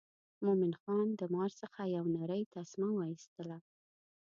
مومن خان د مار څخه یو نرۍ تسمه وایستله.